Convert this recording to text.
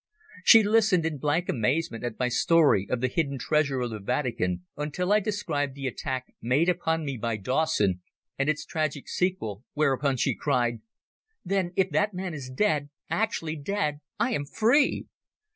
She listened in blank amazement at my story of the hidden treasure of the Vatican, until I described the attack made upon me by Dawson, and its tragic sequel, whereupon she cried "Then if that man is dead actually dead I am free!"